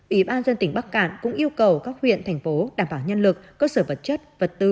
ủy ban dân tỉnh bắc cạn cũng yêu cầu các huyện thành phố đảm bảo nhân lực cơ sở vật chất vật tư